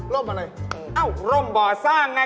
ร่มอะไรอืมอ้าวร่มบ่อสร้างไง